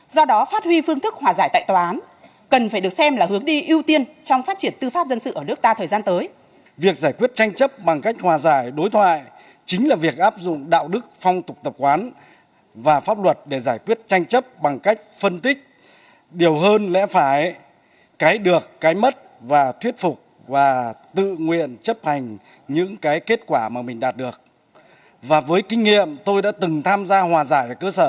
do đó phát huy phương thức hòa giải tại tòa án cần phải được xem là hướng đi ưu tiên trong phát triển tư pháp dân sự ở nước ta thời gian tới